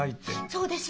そうです。